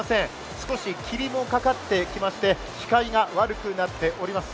少し霧もかかっていまして視界が悪くなってきています。